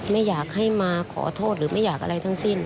ไม่อยากให้มาขอโทษหรือไม่อยากอะไรทั้งสิ้น